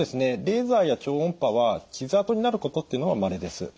レーザーや超音波は傷あとになることっていうのはまれです。